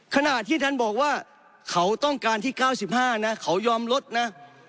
ขณะที่ท่านบอกว่าเขาต้องการที่๙๕นะเขายอมลดนะ